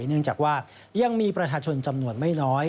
เนื่องจากว่ายังมีประชาชนจำนวนไม่น้อย